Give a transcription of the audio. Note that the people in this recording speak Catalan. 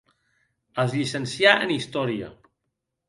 Es llicencià en Història.